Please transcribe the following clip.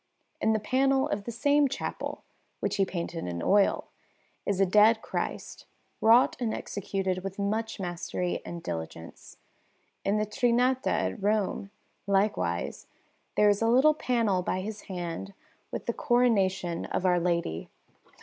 In the panel of the same chapel, which he painted in oil, is a Dead Christ, wrought and executed with much mastery and diligence. In the Trinità at Rome, likewise, there is a little panel by his hand with the Coronation of Our Lady.